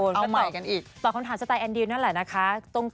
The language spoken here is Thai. นั่นแหละครับคุณตอบคำถามสไตล์แอนดริวนั่นแหละนะคะเอาใหม่กันอีก